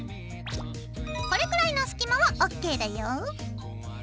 これくらいの隙間はＯＫだよ。